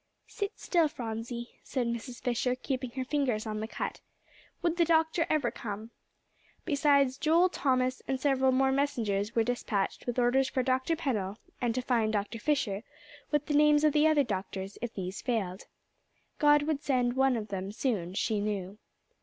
"Sit still, Phronsie," said Mrs. Fisher, keeping her fingers on the cut. Would the doctor ever come? Besides Joel, Thomas and several more messengers were despatched with orders for Dr. Pennell and to find Dr. Fisher, with the names of other doctors if these failed. God would send some one of them soon, she knew.